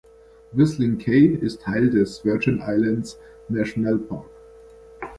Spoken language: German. Whistling Cay ist Teil des Virgin Islands National Park.